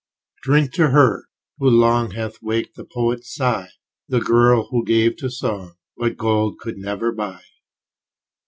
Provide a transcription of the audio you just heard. Drink to her, who long, Hath waked the poet's sigh. The girl, who gave to song What gold could never buy.